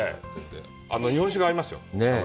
日本酒が合いますよ。